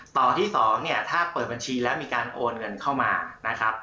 ต่อที่๒เนี่ยถ้าเปิดบัญชีแล้วมีการโอนเงินเข้ามานะครับ